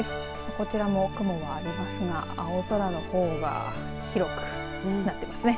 こちらも雲はありますが青空のほうが広くなっていますね。